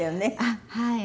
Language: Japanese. あっはい。